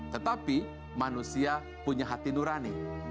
tetapi manusia punya hati nurani